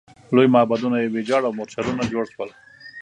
لوی معبدونه یې ویجاړ او مورچلونه جوړ شول.